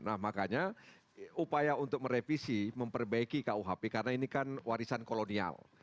nah makanya upaya untuk merevisi memperbaiki kuhp karena ini kan warisan kolonial